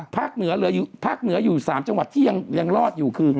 ภาคเหนืออยู่๓จังหวัดที่ยังรอดอยู่คือ